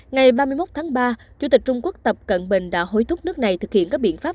ngày ba mươi một tháng ba chủ tịch trung quốc tập cận bình đã hối thúc nước này thực hiện các biện pháp